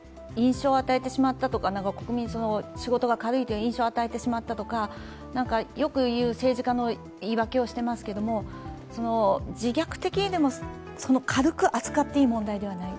国民に仕事が軽いという印象を与えてしまったとかよく言う政治家のいいわけをしてますけども自虐的にでも、軽く扱っていい問題ではない。